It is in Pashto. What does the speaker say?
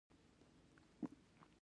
د لغمان سروې ځنګلونه چیرته دي؟